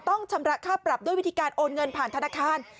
ต้องชำระค่าปรับด้วยวิธีการโอนเงินผ่านธนาคาร